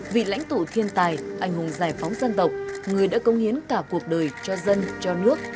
vị lãnh tụ thiên tài anh hùng giải phóng dân tộc người đã công hiến cả cuộc đời cho dân cho nước